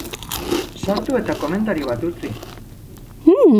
Sartu eta komentario bat utzi!